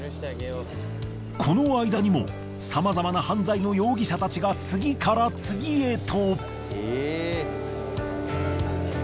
この間にもさまざまな犯罪の容疑者たちが次から次へと。